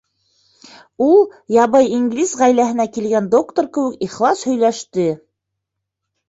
Ул ябай инглиз ғаиләһенә килгән доктор кеүек ихлас һөйләште.